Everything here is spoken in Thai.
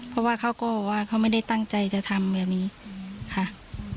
เพราะว่าเขาก็ว่าเขาไม่ได้ตั้งใจจะทำแบบนี้ค่ะ